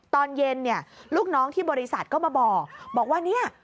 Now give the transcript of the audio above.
ตอนเย็นเนี่ยลูกน้องที่บริษัทก็มาบอกบอกว่าเนี่ย